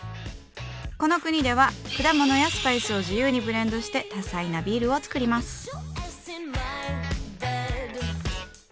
この国では果物やスパイスを自由にブレンドして多彩なビールを作ります。